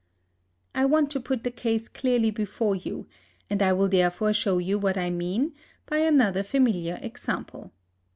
I want to put the case clearly before you, and I will therefore show you what I mean by another familiar example.